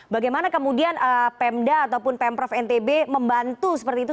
bagaimana kemudian pemda ataupun pemprov ntb membantu seperti itu